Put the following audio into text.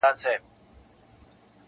• شپه تر سهاره پر لمبو ګرځې -